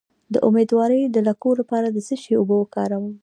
د امیدوارۍ د لکو لپاره د څه شي اوبه وکاروم؟